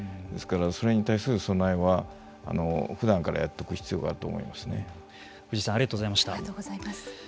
ですから、それに対する備えはふだんからやっておく必要が